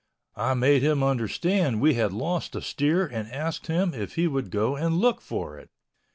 I made him understand we had lost a steer and asked him if he would go and look for it.